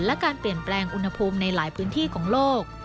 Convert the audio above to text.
และการเปลี่ยนแปลงอุณหภูมิในหลายพื้นที่ของโลก